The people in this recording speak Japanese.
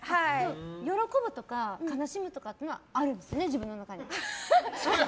喜ぶとか悲しむとかはあるんですよね、自分の中に。